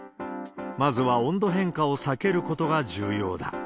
まずは温度変化を避けることが重要だ。